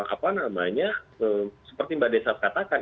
apa namanya seperti mbak desaf katakan